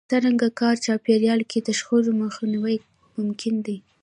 څرنګه کاري چاپېريال کې د شخړو مخنيوی ممکن دی؟